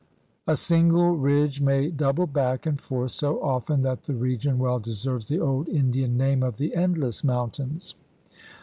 A single ridge may double back and forth so often that the region well deserves the old Indian name of the "Endless Mountains."